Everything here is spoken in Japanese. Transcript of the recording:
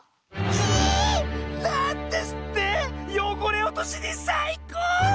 キイー！なんですってよごれおとしにさいこう⁉